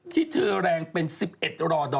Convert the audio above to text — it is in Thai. ที่เธอแรงเป็น๑๑รอดอ